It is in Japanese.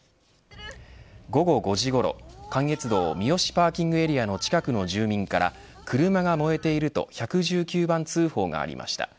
午後５時ごろ、関越道三芳パーキングエリアの近くの住民から車が燃えていると１１９番通報がありました。